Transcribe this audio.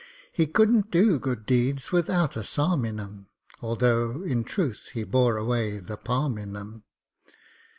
He couldn't do good deeds without a psalm in 'em, Although, in truth, he bore away the palm in 'em.